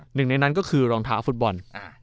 หนึ่งในนั้นก็คือรองเท้าฟุตบอล